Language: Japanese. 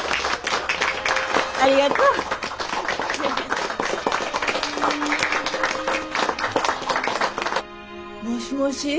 ありがとう。もしもしさくら